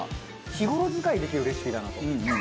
日頃使いできるレシピだなと。